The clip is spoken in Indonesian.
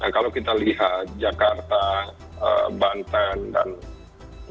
kalau kita lihat jakarta banten dan bekasi